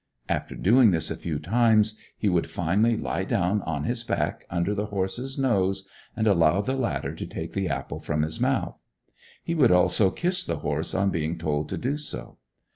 After doing this a few times, he would finally lie down on his back under the horse's nose, and allow the latter to take the apple from his mouth. He would also kiss the horse, on being told to do so.